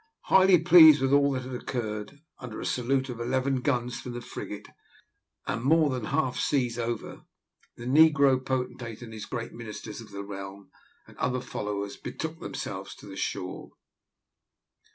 Highly pleased with all that had occurred, under a salute of eleven guns from the frigate, and more than half seas over, the negro potentate and his great ministers of the realm, and other followers, betook themselves to the shore.